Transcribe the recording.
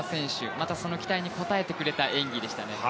また、その期待に応えてくれた演技でしたね。